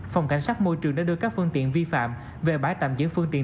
phòng cảnh sát môi trường đã đưa các phương tiện vi phạm về bái tạm dưỡng phương tiện